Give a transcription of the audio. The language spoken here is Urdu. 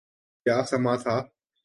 کیا سماں تھا۔